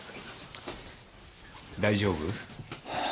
大丈夫？